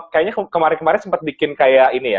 kayaknya kemarin kemarin sempat bikin kayak ini ya